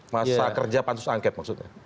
masa kerja pansus angket maksudnya